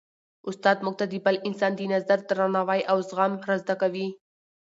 استاد موږ ته د بل انسان د نظر درناوی او زغم را زده کوي.